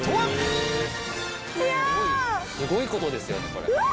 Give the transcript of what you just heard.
すごいことですよね。